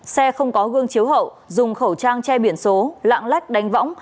xe không có gương chiếu hậu dùng khẩu trang che biển số lạng lách đánh võng